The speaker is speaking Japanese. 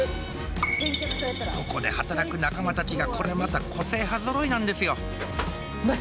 ここで働く仲間たちがこれまた個性派ぞろいなんですよ